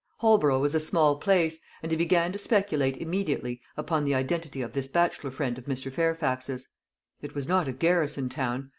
Holborough was a small place; and he began to speculate immediately upon the identity of this bachelor friend of Mr. Fairfax's. It was not a garrison town.